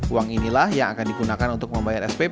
uang inilah yang akan digunakan untuk membayar spp